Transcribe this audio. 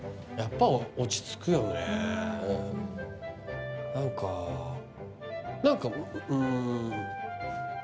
やっぱ落ち着くよね何か何かうん